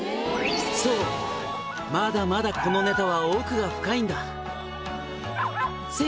「そうまだまだこのネタは奥が深いんだ」